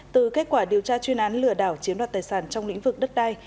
từ kết quả điều tra chuyên án lửa đảo chiếm đoạt tài sản trong lĩnh vực đất đai